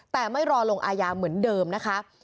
แต่ไม่รอลงอายาเหมือนเดิมนะคะ